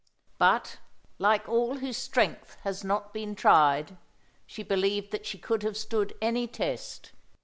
But, like all whose strength has not been tried, she believed that she could have stood any test.